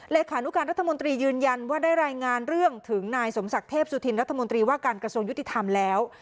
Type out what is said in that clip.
ขานุการรัฐมนตรียืนยันว่าได้รายงานเรื่องถึงนายสมศักดิ์เทพสุธินรัฐมนตรีว่าการกระทรวงยุติธรรมแล้ว